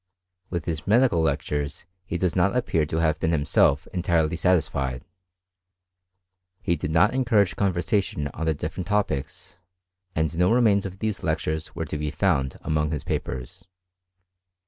With his medical lectures he does not appear to have been himself entirely satisfied : he did not encourage conversation on the different topics, and no remains of these lectures were to be found among his papers.